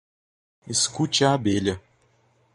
escute a abelha